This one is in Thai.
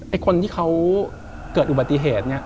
คนที่เขาเกิดอุบัติเหตุเนี่ย